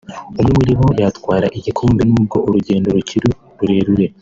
umwe muri bo yatwara igikombe nubwo urugendo rukiri rurerure